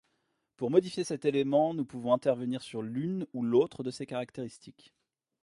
Pour modifier cet élément, nous pouvons intervenir sur l’une ou l’autre de ces caractéristiques.